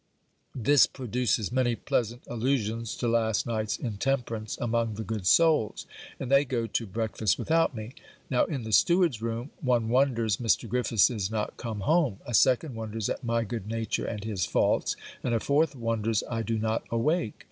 This produces many pleasant allusions to last night's intemperance among the good souls; and they go to breakfast without me. Now, in the steward's room, one wonders Mr. Griffiths is not come home, a second wonders at my good nature and his faults, and a fourth wonders I do not awake.